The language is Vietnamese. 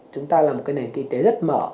chúng ta là một cái nền kinh tế rất mở